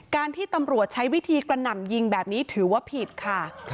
ที่ตำรวจใช้วิธีกระหน่ำยิงแบบนี้ถือว่าผิดค่ะ